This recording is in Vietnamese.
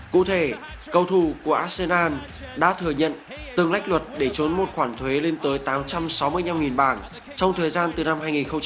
cụ thể cầu thủ của asean đã thừa nhận từng lách luật để trốn một khoản thuế lên tới tám trăm sáu mươi năm bảng trong thời gian từ năm hai nghìn một mươi